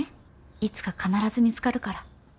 いつか必ず見つかるから。